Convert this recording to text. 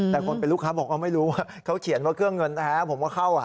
แต่คนเป็นลูกค้าบอกว่าไม่รู้ว่าเขาเขียนว่าเครื่องเงินแท้ผมว่าเข้า